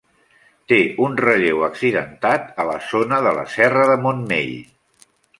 Té un relleu accidentat a la zona de la serra de Montmell.